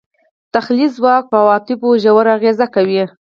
تخیلي ځواک په عواطفو ژور اغېز کوي.